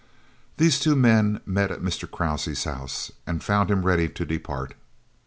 These two men met at Mr. Krause's house and found him ready to depart.